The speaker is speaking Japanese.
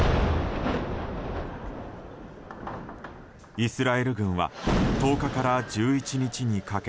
イスラエル軍は１０日から１１日にかけ